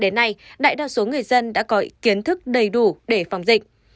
đến nay đại đa số người dân đã có kiến thức đầy đủ để phòng dịch